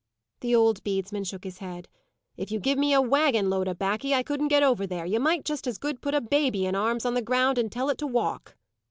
The old bedesman shook his head. "If you give me a waggin load of baccy, I couldn't get over there. You might just as good put a babby in arms on the ground, and tell it to walk!"